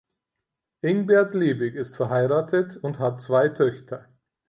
Ingbert Liebing ist verheiratet und hat zwei Töchter.